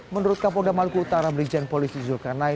menurut kapolda maluku utara merijen polisi zulkanai